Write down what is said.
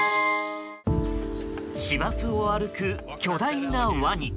芝生を歩く巨大なワニ。